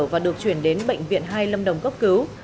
và được chuyển đến bệnh viện hai lâm đồng cấp cứu